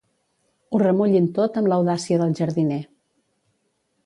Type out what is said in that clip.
Ho remullin tot amb l'audàcia del jardiner.